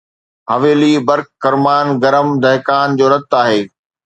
حويلي برق خرمان گرم دهقان جو رت آهي